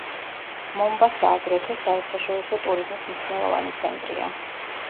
მომბასა აგრეთვე საერთაშორისო ტურიზმის მნიშვნელოვანი ცენტრია.